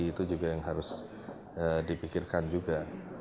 itu juga yang harus dipikirkan juga